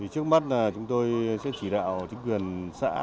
trước mắt là chúng tôi sẽ chỉ đạo chính quyền xã